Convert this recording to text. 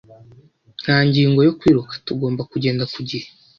Nta ngingo yo kwiruka tugomba kugenda ku gihe